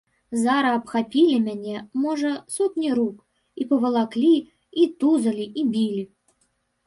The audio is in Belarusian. Зара абхапілі мяне, можа, сотні рук, і павалаклі, і тузалі, і білі.